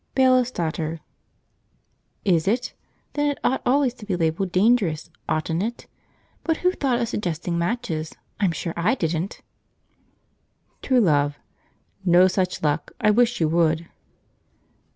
Bailiff's Daughter. "Is it? Then it ought always to be labelled 'dangerous,' oughtn't it? But who thought of suggesting matches? I'm sure I didn't!" True Love. "No such luck; I wish you would."